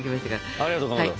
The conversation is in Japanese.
ありがとうございます。